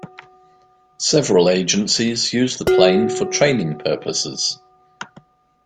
Several agencies use the plane for training purposes.